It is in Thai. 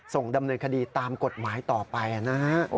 ส่งดำเนินคดีตามกฎหมายต่อไปนะฮะ